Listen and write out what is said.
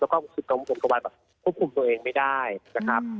แล้วก็รู้สึกว่าควบคุมตัวเองไม่ได้นะครับ